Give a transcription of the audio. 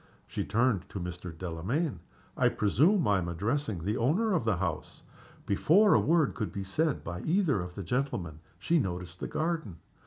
She turned to Mr. Delamayn. "I presume I am addressing the owner of the house?" Before a word could be said by either of the gentlemen she noticed the garden.